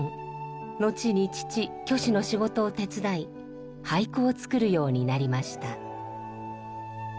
後に父虚子の仕事を手伝い俳句を作るようになりました。